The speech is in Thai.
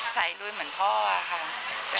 ลุยเหมือนพ่อค่ะ